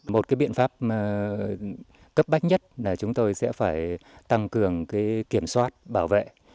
một biện pháp cấp bách nhất là chúng tôi sẽ phải tăng cường kiểm soát bảo vệ